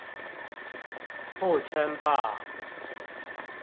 不稱霸